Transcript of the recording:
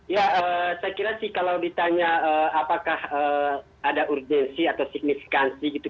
ya saya kira sih kalau ditanya apakah ada urgensi atau signifikansi gitu